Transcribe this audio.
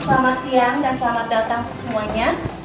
selamat siang dan selamat datang semuanya